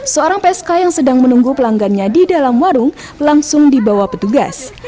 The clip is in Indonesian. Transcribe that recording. seorang psk yang sedang menunggu pelanggannya di dalam warung langsung dibawa petugas